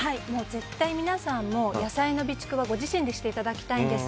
絶対皆さん、野菜の備蓄はご自身でしていただきたいんです。